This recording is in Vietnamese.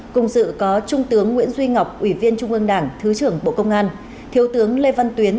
cùng sự có trung tướng nguyễn duy ngọc ủy viên trung ương đảng thứ trưởng bộ công an thiếu tướng lê văn tuyến